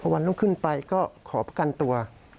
วันรุ่งขึ้นไปก็ขอประกันตัว